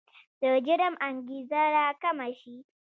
د جرم انګېزه راکمه شي.